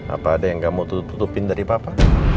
apa ada yang kamu tutupin dari papa